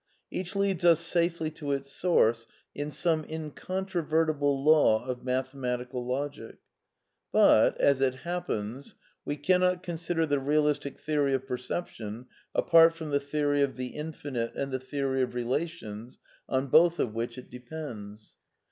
Each leads us safely to its source in some incontrovertible law of mathematical logic. But, as it happens, we cannot i . consider the realistic theory of perception apart from then[Y[ theory of the Infinite and tie theory of relations, on both « of which it depends.